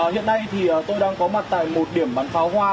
hiện nay thì tôi đang có mặt tại một điểm bắn pháo hoa